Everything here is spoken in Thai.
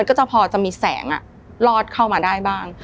มันก็พอจะมีแสงอ่ะรอดเข้ามาได้บ้าง